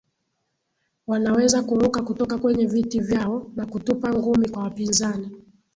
wanaweza kuruka kutoka kwenye viti vyao na kutupa ngumi kwa wapinzani